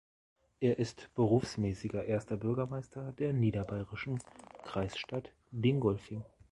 Er ist berufsmäßiger Erster Bürgermeister der niederbayerischen Kreisstadt Dingolfing.